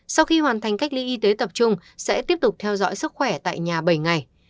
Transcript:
sau khi hoàn thành cách ly y tế tập trung sẽ tiếp tục theo dõi sức khỏe tại nhà bảy ngày